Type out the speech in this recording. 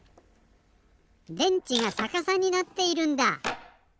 電池がさかさになっているんだ。